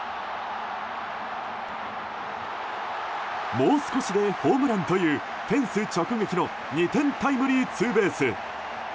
もう少しでホームランというフェンス直撃の２点タイムリーツーベース。